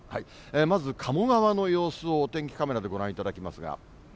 まず、鴨川の様子をお天気カメラでご覧いただきますが。